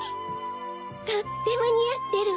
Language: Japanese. とってもにあってるわ。